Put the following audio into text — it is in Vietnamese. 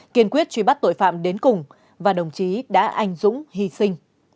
kiên quyết truy bắt tội phạm đến cùng và đồng chí đã anh dũng hy sinh